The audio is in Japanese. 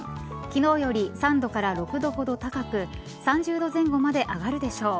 昨日より３度から６度ほど高く３０度前後まで上がるでしょう。